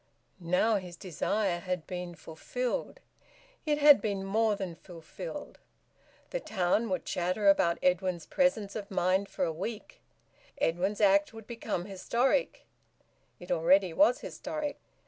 Now his desire had been fulfilled; it had been more than fulfilled. The town would chatter about Edwin's presence of mind for a week. Edwin's act would become historic; it already was historic.